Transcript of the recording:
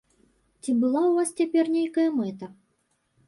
Ці была ў вас цяпер нейкая мэта?